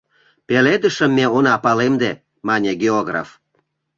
— Пеледышым ме она палемде, — мане географ.